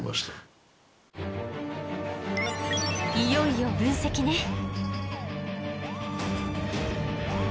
いよいよ分析ね。